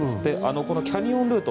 キャニオンルート